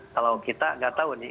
kalau kita nggak tahu nih